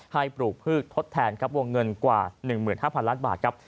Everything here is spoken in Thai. ปลูกพืชทดแทนครับวงเงินกว่า๑๕๐๐ล้านบาทครับ